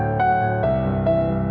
saya berusaha untuk mencari solusinya